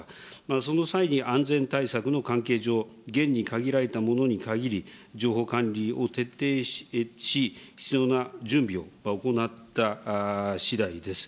その際に安全対策の関係上、厳に限られた者に限り、情報管理を徹底し、必要な準備を行ったしだいです。